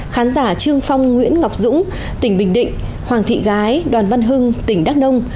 khán giả trương phong nguyễn ngọc dũng tỉnh bình định hoàng thị gái đoàn văn hưng tỉnh đắk nông